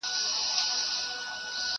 درد او غم به مي سي هېر ستا له آوازه!